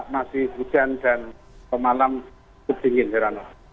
masih hujan dan kemalam cukup dingin